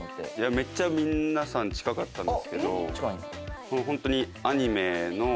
めっちゃ皆さん近かったんですけどホントにアニメの。